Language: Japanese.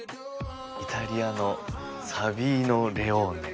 イタリアの「サビーノレオーネ」。